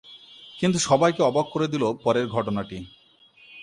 কিন্তু সবাইকে অবাক করে দিল পরের ঘটনাটি।